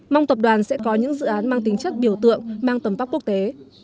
mong tập đoàn sẽ có những dự án mang tính chất biểu tượng mang tầm vóc quốc tế